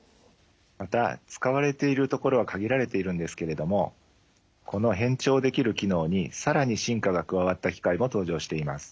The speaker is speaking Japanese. また使われている所は限られているんですけれどもこの変調できる機能に更に進化が加わった機械も登場しています。